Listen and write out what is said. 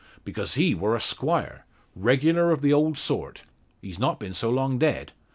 "Because he wor a squire regular of the old sort. He's not been so long dead.